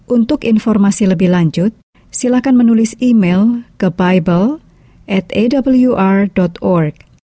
untuk informasi lebih lanjut silahkan menulis email ke bible atawr org